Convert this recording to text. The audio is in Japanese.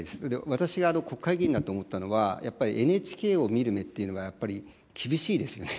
私が国会議員になって思ったのは、やっぱりＮＨＫを見る目っていうのは、やっぱり厳しいですよね。